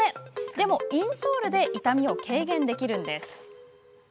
でもインソールで痛みを軽減できますよ。